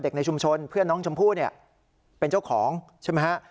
ในชุมชนเพื่อนน้องชมพู่เนี่ยเป็นเจ้าของใช่ไหมฮะ